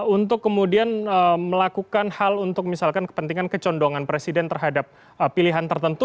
untuk kemudian melakukan hal untuk misalkan kepentingan kecondongan presiden terhadap pilihan tertentu